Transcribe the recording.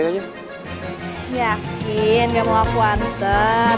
yakin gak mau aku anter